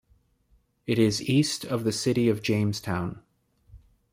It is east of the city of Jamestown.